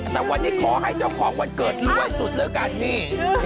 แต่วันนี้ขอให้เจ้าของวันเกิดรวยสุดแล้วกันนี่